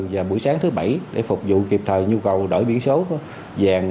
và buổi sáng thứ bảy để phục vụ kịp thời nhu cầu đổi biển số của vàng